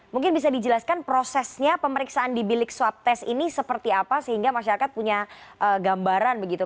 mungkin bisa dijelaskan prosesnya pemeriksaan di bilik swab test ini seperti apa sehingga masyarakat punya gambaran begitu